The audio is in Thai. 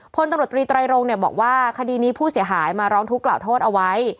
พลตำรวจตรีไตรโรงบอกว่าคดีนี้ผู้เสียหายมาร้องทุกข์กล่าวโทษเอาไว้